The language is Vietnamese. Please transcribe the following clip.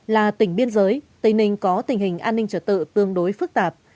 là tỉnh biên giới tây ninh có tình hình an ninh trở tự tương đối phức tạp